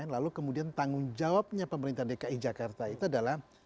lalu kemudian tanggung jawabnya pemerintah dki jakarta itu adalah